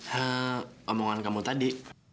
hmm omongan kamu tadi